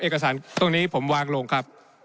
เอกสารตรงนี้ผมวางลงครับ